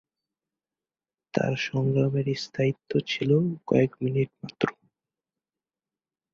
তার সংগ্রামের স্থায়িত্ব ছিলো কয়েক মিনিট মাত্র।